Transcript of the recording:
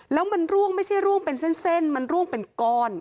แล้วมันร่วงไม่ใช่ร่วงเป็นเส้นมันร่วงเป็นก้อน